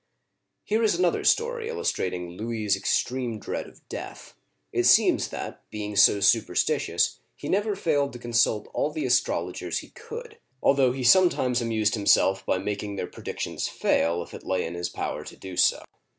Here is another story illustrating Louis's extreme dread of death. It seems that, being so superstitious, he never failed to consult all the astrologers he could, although he sometimes amused himself by making their predictions fail if it lay in his power to do so.